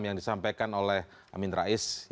yang disampaikan oleh amin rais